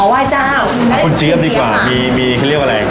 ว่าจะวคุณทราบดีกว่ามีมีแค่เรียกว่าอะไร